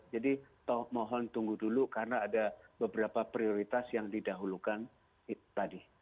jadi mohon tunggu dulu karena ada beberapa prioritas yang didahulukan tadi